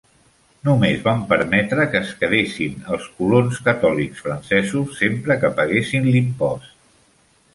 Només van permetre que es quedessin els colons catòlics francesos sempre que paguessin l'impost.